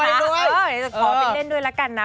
เห้ยขอไปเล่นด้วยละกันนะ